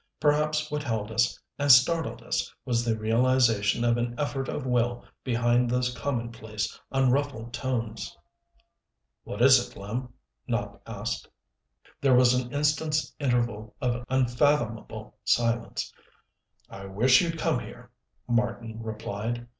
Perhaps what held us and startled us was the realization of an effort of will behind those commonplace, unruffled tones. "What is it, Lem?" Nopp asked. There was an instant's interval of unfathomable silence. "I wish you'd come here," Marten replied.